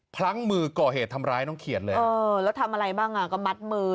พลั้งมือก่อเหตุทำร้ายน้องเขียดเลยเออแล้วทำอะไรบ้างอ่ะก็มัดมือ